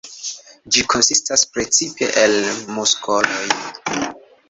Ĝi konsistas precipe el muskoloj.